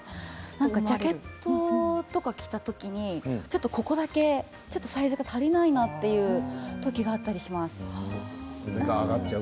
ジャケットとか着た時に肩だけサイズが足りないなという時があったりします。